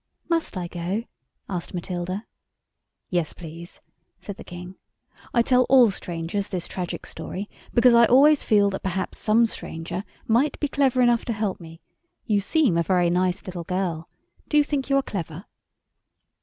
"Must I go?" asked Matilda. "Yes please," said the King. "I tell all strangers this tragic story because I always feel that perhaps some stranger might be clever enough to help me. You seem a very nice little girl. Do you think you are clever?"